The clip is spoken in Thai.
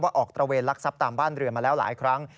ออกตระเวนลักทรัพย์ตามบ้านเรือนมาแล้วหลายครั้ง